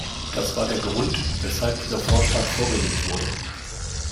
Das war der Grund, weshalb dieser Vorschlag vorgelegt wurde.